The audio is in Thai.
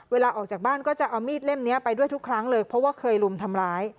เวลาออกจากบ้านก็จะเอามีดเล่มนี้ไปด้วยทุกครั้งเลยเพราะว่าเคยรุมทำร้าย